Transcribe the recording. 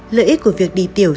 lợi ích của việc đi tiểu